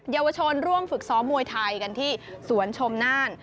เยาวชนร่วมฝึกซ้อมมวยไทยกันที่สวนชมน่าน